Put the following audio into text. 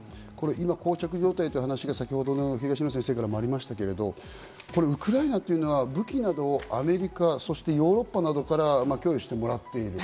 こう着状態と東野先生からもありましたけど、ウクライナは武器などをアメリカ、ヨーロッパなどから供与してもらっている。